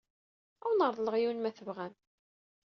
Ad awen-reḍleɣ yiwen ma tebɣam.